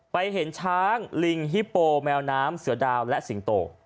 เห็นช้างลิงฮิโปแมวน้ำเสือดาวและสิงโต